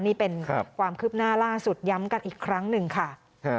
นี่เป็นความคืบหน้าล่าสุดย้ำกันอีกครั้งหนึ่งค่ะ